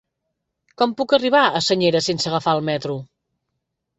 Com puc arribar a Senyera sense agafar el metro?